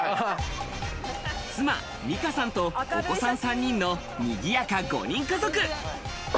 妻・美夏さんとお子さん３人のにぎやか５人家族。